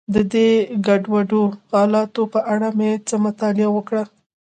د دې ګډوډو حالاتو په اړه مې څه مطالعه وکړه.